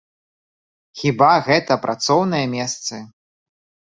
Хіба гэта працоўныя месцы?!